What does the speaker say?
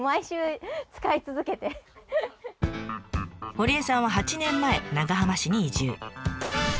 堀江さんは８年前長浜市に移住。